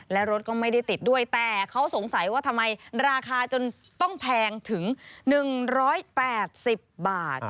และรถก็ไม่ได้ติดด้วยแต่เขาสงสัยว่าทำไมราคาจนต้องแพงถึง๑๘๐บาท